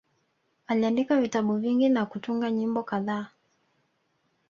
Aliandika vitabu vingi na kutunga nyimbo kadhaa